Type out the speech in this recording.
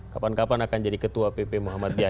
kapan kapan akan jadi ketua pp muhammad diyah